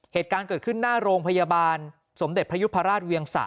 เหตุการณ์เกิดขึ้นหน้าโรงพยาบาลสมเด็จพระยุพราชเวียงสะ